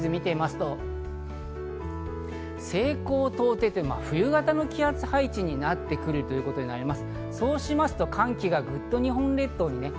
日曜日の天気図を見てみますと西高東低、冬型の気圧配置になってくるということになります。